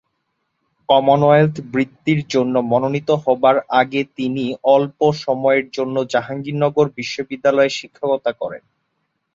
Commonwealth বৃত্তির জন্য মনোনীত হবার আগে তিনি অল্প সময়ের জন্য জাহাঙ্গীরনগর বিশ্ববিদ্যালয়ে শিক্ষকতা করেন।